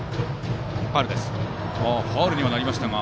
ファウルにはなりましたが。